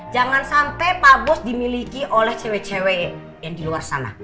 jangan sampai pak bos dimiliki oleh cewek cewek yang di luar sana